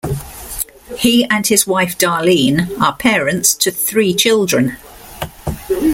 He and his wife Darlene are parents to three children.